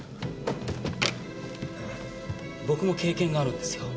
僕も経験があるんですよ。